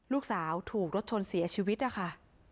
ลูกสาวถูกรถชนเสียชีวิตนะคะ